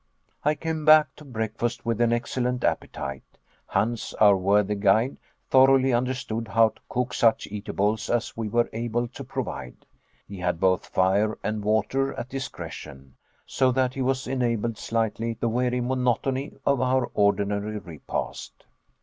I came back to breakfast with an excellent appetite. Hans, our worthy guide, thoroughly understood how to cook such eatables as we were able to provide; he had both fire and water at discretion, so that he was enabled slightly to vary the weary monotony of our ordinary repast.